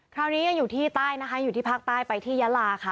คราวนี้ยังอยู่ที่ใต้นะคะอยู่ที่ภาคใต้ไปที่ยาลาค่ะ